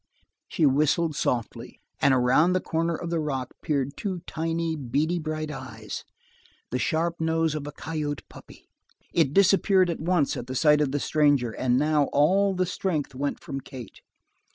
She whistled softly, and around the corner of the rock peered two tiny, beady bright eyes, and the sharp nose of a coyote puppy. It disappeared at once at the sight of the stranger, and now all the strength went from Kate.